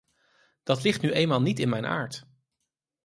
Dat ligt nu eenmaal niet in mijn aard.